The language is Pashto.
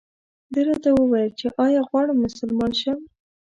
ده راته وویل چې ایا غواړم مسلمان شم.